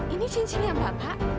ini cincinnya bapak